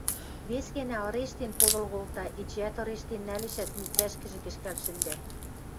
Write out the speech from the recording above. Вес гӓнӓ ырештен подыл колта, эчеӓт ырештен нӓлешӓт, лицӓшкӹжӹ кӹшкӓл шӹндӓ.